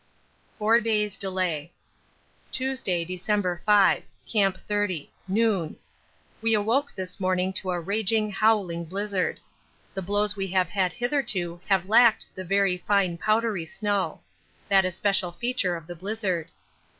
Four Days' Delay Tuesday, December 5. Camp 30. Noon. We awoke this morning to a raging, howling blizzard. The blows we have had hitherto have lacked the very fine powdery snow that especial feature of the blizzard.